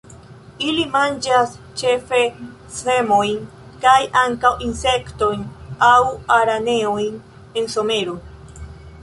Ili manĝas ĉefe semojn, kaj ankaŭ insektojn aŭ araneojn en somero.